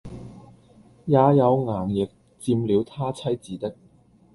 也有衙役佔了他妻子的，